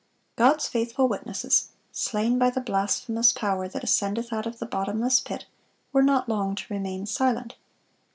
(421) God's faithful witnesses, slain by the blasphemous power that "ascendeth out of the bottomless pit," were not long to remain silent.